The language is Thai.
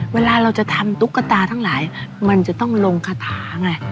เวลาเราจะทำตุ๊กตาทั้งหลายมันจะต้องลงคาถาไง